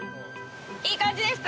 いい感じですか？